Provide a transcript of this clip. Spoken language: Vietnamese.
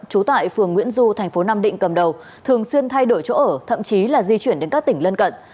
trú tại phường nguyễn du thành phố nam định cầm đầu thường xuyên thay đổi chỗ ở thậm chí là di chuyển đến các tỉnh lân cận